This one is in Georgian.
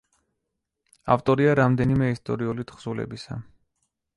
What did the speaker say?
ავტორია რამდენიმე ისტორიული თხზულებისა.